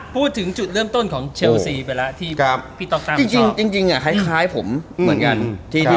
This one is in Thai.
พูดถึงจุดเริ่มต้นของเชลสีไปแล้ว